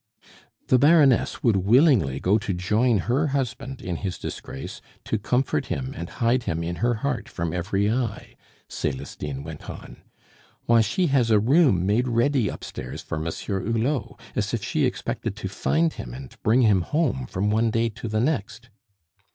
"The Baroness would willingly go to join her husband in his disgrace, to comfort him and hide him in her heart from every eye," Celestine went on. "Why, she has a room made ready upstairs for Monsieur Hulot, as if she expected to find him and bring him home from one day to the next."